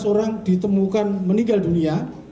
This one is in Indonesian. tiga belas orang ditemukan meninggal dunia